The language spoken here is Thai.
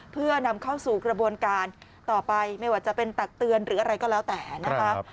เพื่อนำเข้าสู่กระบวนการต่อไปไม่ว่าจะเป็นตักเตือนหรืออะไรก็แล้วแต่นะคะ